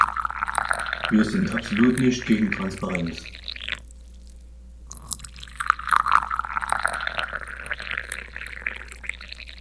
Wir sind absolut nicht gegen Transparenz.